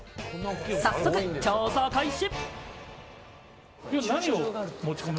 早速調査開始！